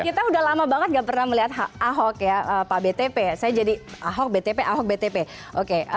kita udah lama banget gak pernah melihat ahok ya pak btp saya jadi ahok btp ahok btp oke